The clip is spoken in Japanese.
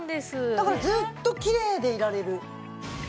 だからずっときれいでいられる。